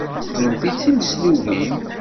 Kennemti d timeslubin.